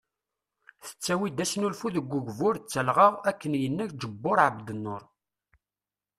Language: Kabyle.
Tettawi-d asnulfu deg ugbur d talɣa ,akken yenna Ǧebur Ɛebdnur.